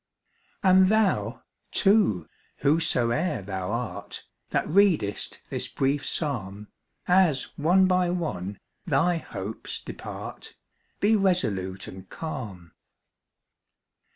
And thou, too, whosoe'er thou art, That readest this brief psalm, As one by one thy hopes depart, Be resolute and calm.